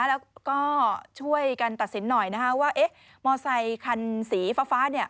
แล้วก็ช่วยกันตัดสินหน่อยนะคะว่าเอ๊ะมอเตอร์ไซคันสีฟ้าฟ้าเนี่ย